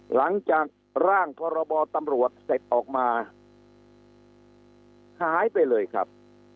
หลังจากร่างพรบตำรวจเสร็จออกมาหายไปเลยครับ